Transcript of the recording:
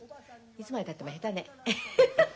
いつまでたっても下手ね。